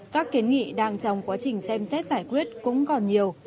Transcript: các kiến nghị đang trong quá trình xem xét giải quyết cũng còn nhiều